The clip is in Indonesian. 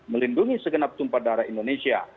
melindungi segenap tumpah darah indonesia